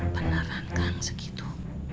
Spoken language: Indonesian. beneran kan segitu